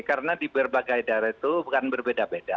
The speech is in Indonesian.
karena di berbagai daerah itu bukan berbeda beda